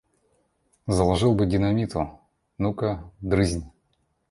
Заложил бы динамиту – ну-ка, дрызнь!